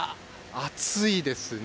暑いですね。